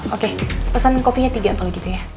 oke pesan kopinya tiga kalau gitu ya